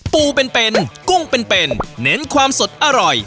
ปูเป็นเป็นกุ้งเป็นเป็นเน้นความสดอร่อย